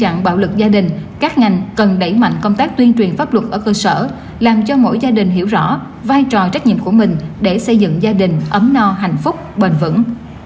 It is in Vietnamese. ngăn chặn bạo lực gia đình các ngành cần đẩy mạnh công tác tuyên truyền pháp luật ở cơ sở làm cho mỗi gia đình hiểu rõ vai trò trách nhiệm của mình để xây dựng gia đình ấm no hạnh phúc bền vững